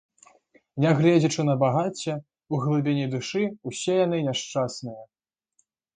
Нягледзячы на багацце, у глыбіні душы ўсе яны няшчасныя.